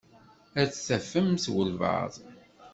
Ad tafemt walebɛaḍ.